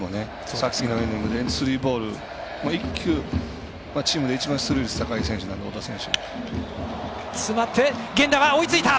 さっきのイニングでスリーボールチームで一番出塁率が高い選手なので太田選手が。